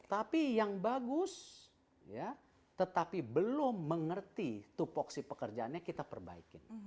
tapi yang bagus tetapi belum mengerti tupoksi pekerjaannya kita perbaikin